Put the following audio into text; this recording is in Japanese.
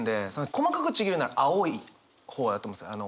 細かくちぎるなら青い方やと思うんです。